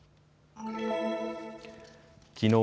きのう